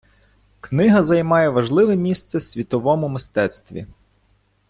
Книга займає важливе місце світовому мистецтві.